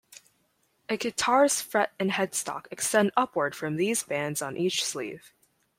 A guitar's fret and headstock extend upward from these bands on each sleeve.